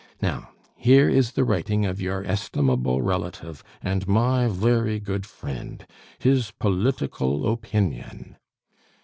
Now, here is the writing of your estimable relative and my very good friend his political opinion."